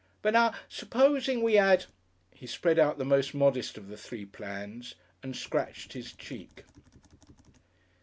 "But, now, supposin' we 'ad ." He spread out the most modest of the three plans and scratched his cheek.